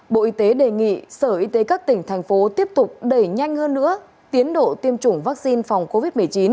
bộ y tế đề nghị sở y tế các tỉnh thành phố tiếp tục đẩy nhanh hơn nữa tiến độ tiêm chủng vaccine phòng covid một mươi chín